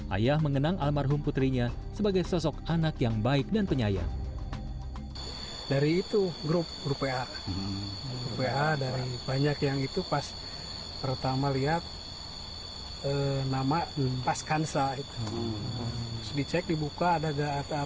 ayah mengenang almarhum putrinya sebagai sosok anak yang baik dan penyayang